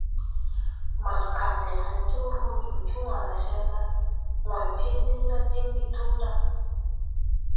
Man kandɛ hay tum ruugi ɓɛ ti wããre sen ga :« wãy tiŋ liŋ la diŋ ndi tum ɗa !».